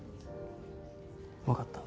わかった。